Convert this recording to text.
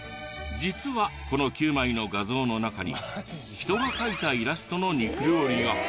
実はこの９枚の画像の中に人が描いたイラストの肉料理が。